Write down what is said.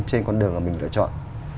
trên con đường mà mình lựa chọn